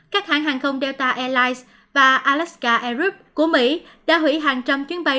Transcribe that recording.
các hãng hàng không delta airlines và alaska airuk của mỹ đã hủy hàng trăm chuyến bay